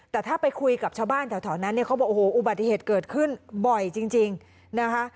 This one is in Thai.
แต่ถ้าไปคุยกับชาวบ้านแถวนั้นเนี่ยเขาบอกโอ้โหอุบัติเหตุเกิดขึ้นบ่อยจริงนะคะ